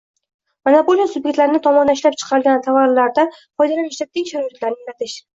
monopoliya sub’ektlari tomonidan ishlab chiqariladigan tovarlardan foydalanishda teng shart-sharoitlarni ta’minlash;